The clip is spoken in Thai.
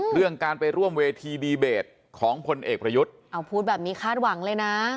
เรื่องการไปร่วมเวทีดีเบตของพลเอกประยุทธ์เอาพูดแบบนี้คาดหวังเลยนะ